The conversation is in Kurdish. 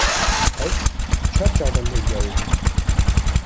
Ez bi çar çavan li hêviya wê bûm.